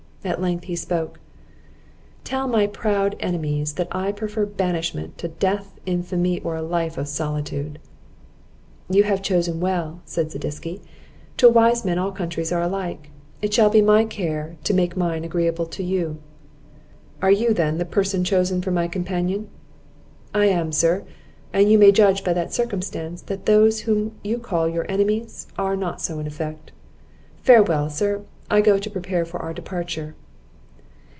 At length he spoke: "Tell my proud enemies that I prefer banishment to death, infamy, or a life of solitude." "You have chosen well," said Zadisky. "To a wise man all countries are alike; it shall be my care to make mine agreeable to you." "Are you, then, the person chosen for my companion?" "I am, sir; and you may judge by that circumstance, that those whom you call your enemies, are not so in effect. Farewell, sir I go to prepare for our departure."